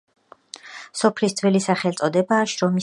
სოფლის ძველი სახელწოდებაა შრომისუბანი.